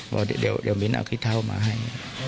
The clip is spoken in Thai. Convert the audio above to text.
บอกเดี๋ยวมิ้นเอาขี้เท่ามาให้